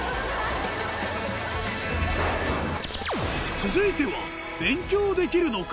続いては勉強できるのか？